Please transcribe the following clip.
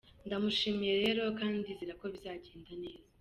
Ndamushimiye rero kandi ndizera ko bizagenda neza.